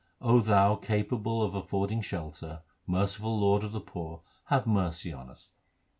O Thou, capable of affording shelter, merciful Lord of the poor, have mercy on us.